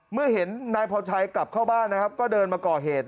เมื่อเห็นนายพรชัยกลับเข้าบ้านนะครับก็เดินมาก่อเหตุ